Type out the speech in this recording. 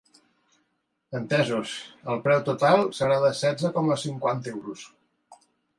Entesos, el preu total serà de setze coma cinquanta euros.